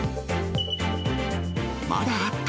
まだあった！